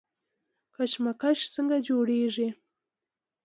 کشمش څنګه جوړیږي؟